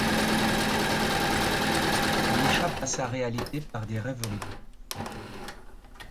Il échappe à sa réalité par des rêveries.